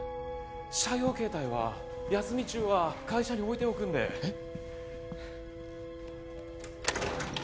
社用携帯は休み中は会社に置いておくんでえっ？